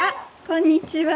こんにちは。